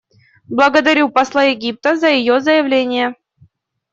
Благодарю посла Египта за ее заявление.